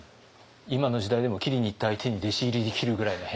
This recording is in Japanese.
今の時代でも斬りにいった相手に弟子入りできるぐらいの。